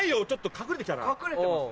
隠れてます？